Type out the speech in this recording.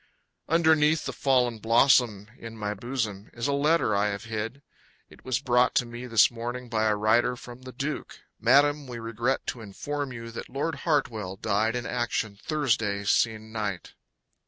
Underneath the fallen blossom In my bosom, Is a letter I have hid. It was brought to me this morning by a rider from the Duke. "Madam, we regret to inform you that Lord Hartwell Died in action Thursday sen'night."